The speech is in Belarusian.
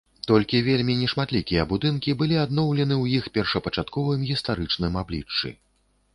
Толькі вельмі нешматлікія будынкі былі адноўлены ў іх першапачатковым гістарычным абліччы.